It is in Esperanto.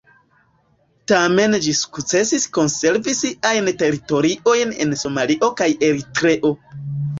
Tamen ĝi sukcesis konservi siajn teritoriojn en Somalio kaj Eritreo.